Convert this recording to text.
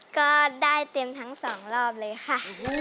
ก็ได้เต็มทั้งสองรอบเลยค่ะ